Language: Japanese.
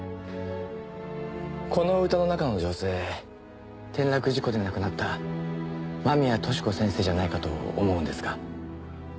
この歌の中の女性転落事故で亡くなった間宮寿子先生じゃないかと思うんですが。